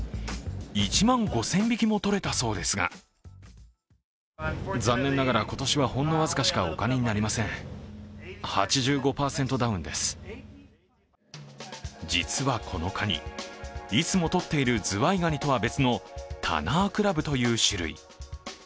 １万５０００匹もとれたそうですが実はこのカニ、いつもとっているズワイガニとは別のタナークラブという種類。